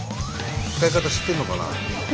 使い方知ってるのかな？